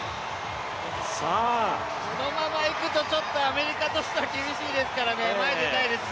このままいくとアメリカとしては厳しいですからね、前出たいです。